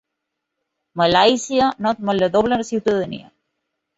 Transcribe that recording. Malàisia no admet la doble ciutadania.